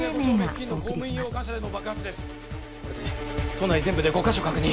・都内全部で５カ所確認